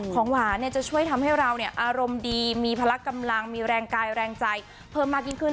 ของหวานจะช่วยทำให้เราอารมณ์ดีมีพลักกำลังมีแรงกายแรงใจเพิ่มมากยิ่งขึ้น